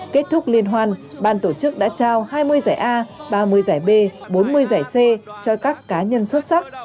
kết thúc liên hoan ban tổ chức đã trao hai mươi giải a ba mươi giải b bốn mươi giải c cho các cá nhân xuất sắc